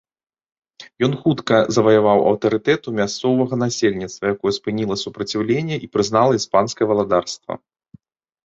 Ён хутка заваяваў аўтарытэт у мясцовага насельніцтва, якое спыніла супраціўленне і прызнала іспанскае валадарства.